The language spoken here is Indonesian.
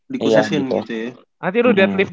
dikusesin gitu ya nanti lu deadlift